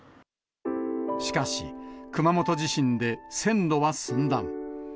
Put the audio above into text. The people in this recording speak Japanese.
しかし、熊本地震で、線路は寸断。